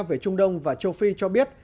về trung đông và châu phi cho biết